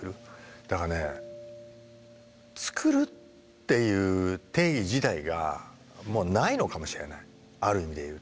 だからね作るっていう定義自体がないのかもしれないある意味でいうと。